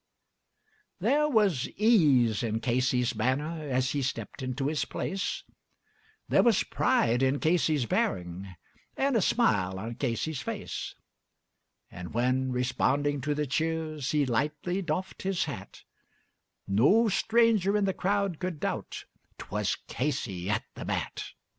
There was ease in Casey's manner as he stepped into his place, There was pride in Casey's bearing and a smile on Casey's face, And when responding to the cheers he lightly doffed his hat, No stranger in the crowd could doubt, 'twas Casey at the bat.